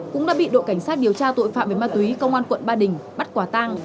cũng đã bị đội cảnh sát điều tra tội phạm về ma túy công an quận ba đình bắt quả tang